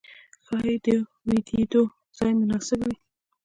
ښايې د ويدېدو ځای مناسب وي.